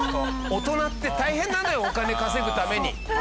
大人って大変なのよお金稼ぐために。